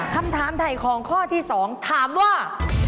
คำถามถ่ายของข้อที่๒ถามว่า